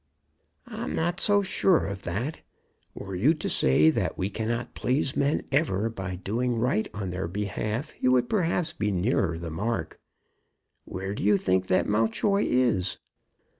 "I'm not so sure of that. Were you to say that we cannot please men ever by doing right on their behalf you would perhaps be nearer the mark. Where do you think that Mountjoy is?"